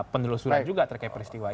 pendulusuran juga terkait peristiwa itu